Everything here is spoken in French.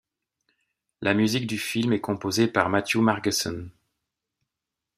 La musique du film est composée par Matthew Margeson.